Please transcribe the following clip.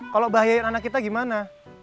kalau bahayain anak kita gimana